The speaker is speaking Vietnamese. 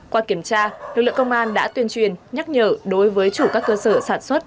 qua kiểm tra lực lượng công an đã tuyên truyền nhắc nhở đối với chủ các cơ sở sản xuất